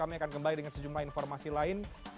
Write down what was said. kami akan kembali dengan sejumlah informasi lain